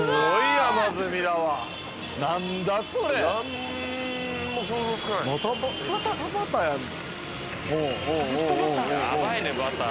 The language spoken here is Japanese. ヤバいねバター。